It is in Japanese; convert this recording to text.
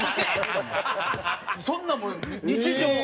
そんなもう日常。